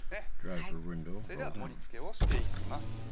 はいそれでは盛りつけをしていきます